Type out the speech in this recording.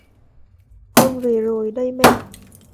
con về rồi đây mẹ